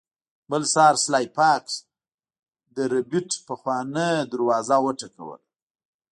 بل سهار سلای فاکس د ربیټ پخوانۍ دروازه وټکوله